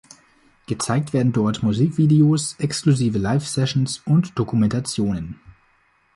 Gezeigt werden dort Musikvideos, exklusive Live-Sessions und Dokumentationen.